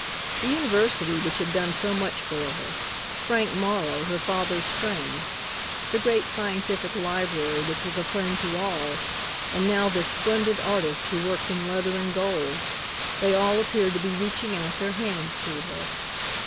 The university which had done so much for her, Frank Morrow, her father's friend, the great scientific library which was a friend to all, and now this splendid artist who worked in leather and gold; they all appeared to be reaching out their hands to her.